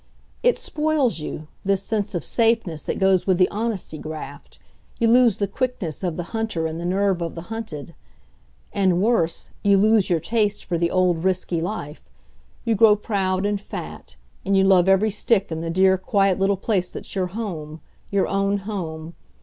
It spoils you, this sense of safeness that goes with the honesty graft. You lose the quickness of the hunter and the nerve of the hunted. And worse you lose your taste for the old risky life. You grow proud and fat, and you love every stick in the dear, quiet little place that's your home your own home.